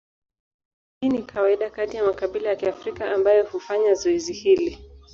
Hii ni kawaida kati ya makabila ya Kiafrika ambayo hufanya zoezi hili.